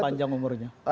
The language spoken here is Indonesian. sudah panjang umurnya